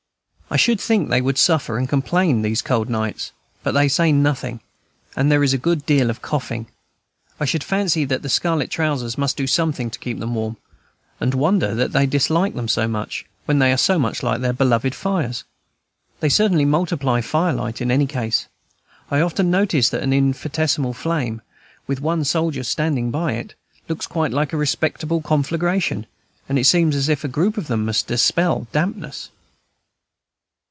I should think they would suffer and complain these cold nights; but they say nothing, though there is a good deal of coughing. I should fancy that the scarlet trousers must do something to keep them warm, and wonder that they dislike them so much, when they are so much like their beloved fires. They certainly multiply firelight in any case. I often notice that an infinitesimal flame, with one soldier standing by it, looks like quite a respectable conflagration, and it seems as if a group of them must dispel dampness.